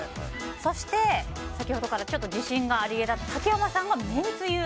そして、先ほどからちょっと自信がありげだった竹山さんが、めんつゆ。